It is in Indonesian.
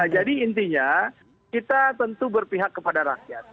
jadi intinya kita tentu berpihak kepada rakyat